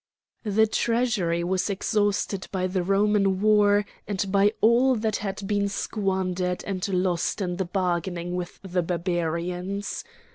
The treasury was exhausted by the Roman war and by all that had been squandered and lost in the bargaining with the Barbarians.